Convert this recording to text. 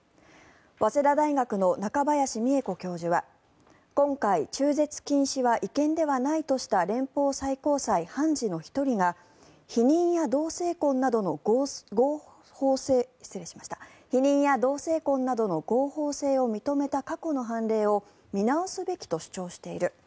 早稲田大学の中林美恵子教授は今回、中絶禁止は違憲ではないとした連邦最高裁判事の１人が避妊や同性婚などの合法性を認めた過去の判例を見直すべきと主張している。